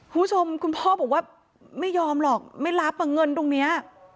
คุณผู้ชมคุณพ่อบอกว่าไม่ยอมหรอกไม่รับอ่ะเงินตรงนี้